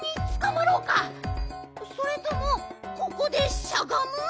それともここでしゃがむ？